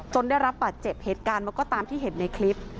ได้รับบาดเจ็บเหตุการณ์มันก็ตามที่เห็นในคลิป